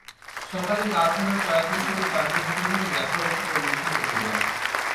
সকালে কারখানার কয়েকজন শ্রমিক প্ল্যান্টের ভেতরে ঢুকে গ্যাসের অবস্থা পর্যবেক্ষণ করতে যান।